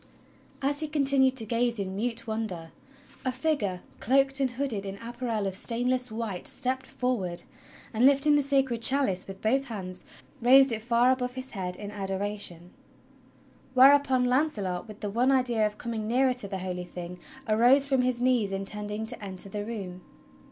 As he continued to gaze in mute wonder, a figure cloaked and THE QUEST OF THE HOLY GRAIL 123 hooded in apparel of stainless white stepped forward, and lifting the Sacred Chalice with both hands, raised it far above his head in ado ration. Whereupon Launcelot, with the one idea of coming nearer to the Holy Thing, arose from his knees intending to enter the room.